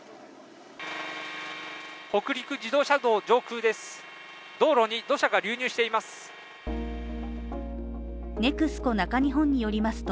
北陸自動車道上空です。